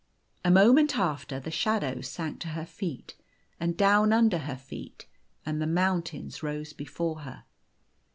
A moment after, the shadows sank to her feet, and down under her feet, and the mountains rose before her.